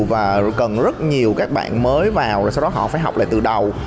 và cần rất nhiều các bạn mới vào sau đó họ phải học lại từ đầu